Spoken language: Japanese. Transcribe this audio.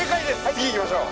次行きましょう。